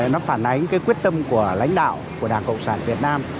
nó phản ánh cái quyết tâm của lãnh đạo của đảng cộng sản việt nam